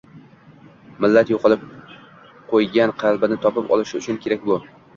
Millat yo‘qotib qo‘ygan qalbini topib olishi uchun kerak bu!